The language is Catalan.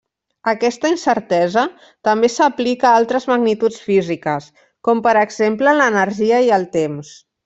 Aquesta incertesa també s'aplica a altres magnituds físiques, com per exemple l'energia i el temps.